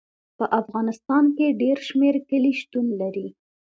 په افغانستان کې ډېر شمیر کلي شتون لري.